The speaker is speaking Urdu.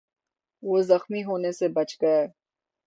وہ زخمی ہونے سے بچ گئے